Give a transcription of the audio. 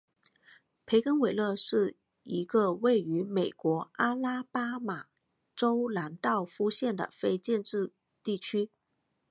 培根勒韦是一个位于美国阿拉巴马州兰道夫县的非建制地区。